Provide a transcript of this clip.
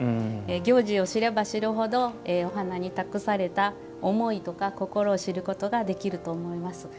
行事を知れば知るほどお花に託された思いとか心を知ることができると思います。